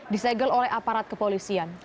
disegel oleh aparat kepolisian